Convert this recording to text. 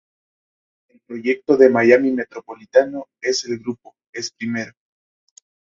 El proyecto de Miami Metropolitano es el grupo es primero.